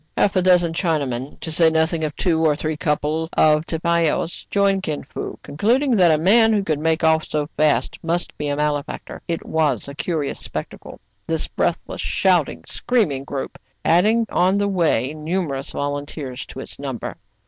Half a dozen Chinamen, to say nothing of two or three couple of tipaos, joined Kin Fo, con cluding that a man who could make off so fast must be a malefactor. It was a curious spectacle, this breathless, shout ing, screaming group, adding on the way numer ous volunteers to its number.